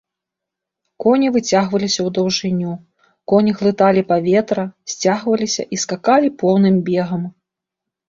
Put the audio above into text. Коні выцягваліся ў даўжыню, коні глыталі паветра, сцягваліся і скакалі поўным бегам.